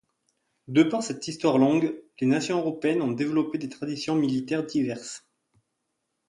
De par cette histoire longue, les nations européennes ont développé des traditions militaires diverses.